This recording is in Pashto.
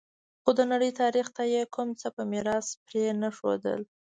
خو د نړۍ تاریخ ته یې کوم څه په میراث پرې نه ښودل